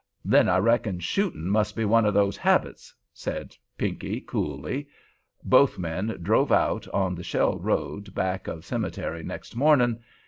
'Then I reckon shootin' must be one of those habits,' said Pinkey, coolly. Both men drove out on the Shell Road back of cemetery next morning.